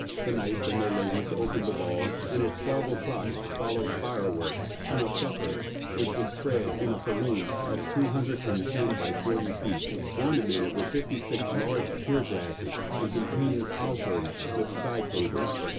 The knights and their ladies opened the ball, and at twelve o'clock followed fireworks, and a supper, which was spread in a saloon of two hundred and ten by forty feet, ornamented with fifty six large pier glasses, and containing alcoves with side tables.